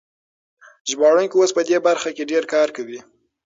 ژباړونکي اوس په دې برخه کې ډېر کار کوي.